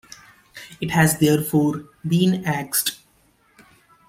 It has therefore been axed.